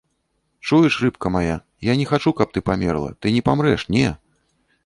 Чуеш, рыбка мая, я не хачу, каб ты памерла, ты не памрэш, не!